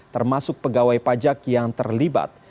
termasuk pegawai pajak yang terlibat